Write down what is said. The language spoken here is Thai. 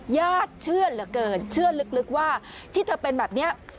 ญาติเชื่อเหลือเกินเชื่อลึกว่าที่เธอเป็นแบบนี้